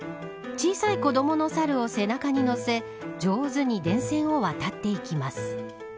小さい子どものサルを背中に乗せ上手に電線を渡っていきます。